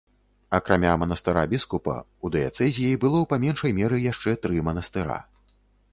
Акрамя манастыра біскупа, у дыяцэзіі было па меншай меры яшчэ тры манастыра.